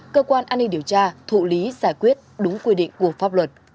cơ quan an ninh điều tra thụ lý giải quyết đúng quy định của pháp luật